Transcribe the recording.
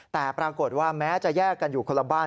แต่ปรากฏว่าแม้จะแยกกันอยู่คนละบ้าน